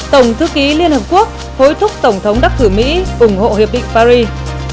tổng thư ký liên hợp quốc hối thúc tổng thống đắc cử mỹ ủng hộ hiệp định paris